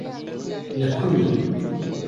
li ku yî